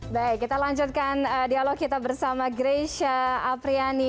baik kita lanjutkan dialog kita bersama greysia apriani